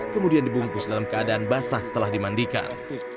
kemudian dibungkus dalam keadaan basah setelah dimandikan